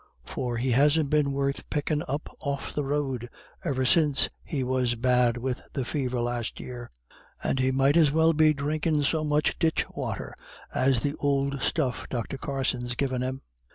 "For he hasn't been worth pickin' up off the road ever since he was bad with the fever last year, and he might as well be dhrinkin' so much ditch wather as the ould stuff Dr. Carson's givin' him."